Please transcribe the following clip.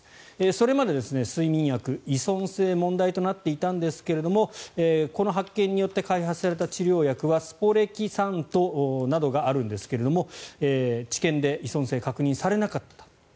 それまで睡眠薬、依存性が問題となっていたんですがこの発見によって開発された治療薬はスボレキサントなどがあるんですが治験で依存性は確認されなかったと。